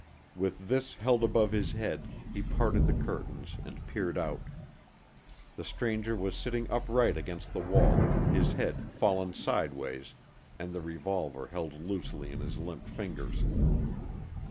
With this held above his head, he parted the curtains and peered out. The stranger was sitting upright against the wall, his head fallen sideways and the revolver held loosely in his limp fingers.